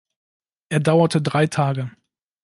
Er dauerte drei Tage.